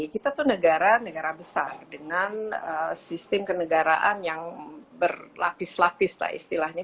kita tuh negara negara besar dengan sistem kenegaraan yang berlapis lapis lah istilahnya